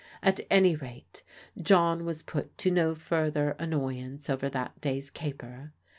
At any rate, John was put to no further annoyance over that day's caper.